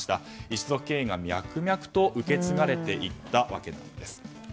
一族経営が脈々と受け継がれていったわけなんです。